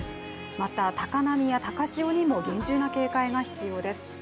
また、高波や高潮にも厳重な警戒が必要です。